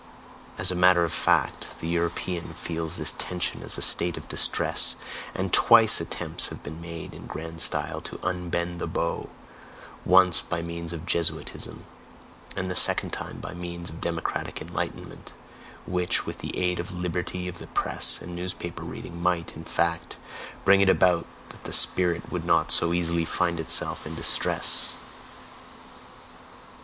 As a matter of fact, the European feels this tension as a state of distress, and twice attempts have been made in grand style to unbend the bow: once by means of Jesuitism, and the second time by means of democratic enlightenment which, with the aid of liberty of the press and newspaper reading, might, in fact, bring it about that the spirit would not so easily find itself in "distress"!